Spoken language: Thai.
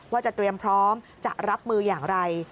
ว่าจะเตรียมพร้อมจะรับมืออย่างไร